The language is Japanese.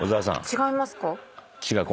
違いますか？